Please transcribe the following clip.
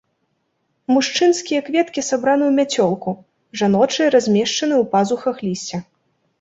Мужчынскія кветкі сабраны ў мяцёлку, жаночыя размешчаны ў пазухах лісця.